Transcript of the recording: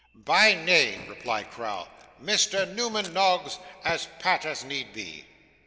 'By name,' replied Crowl. 'Mr. Newman Noggs, as pat as need be.